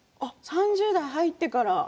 ３０代に入ってから。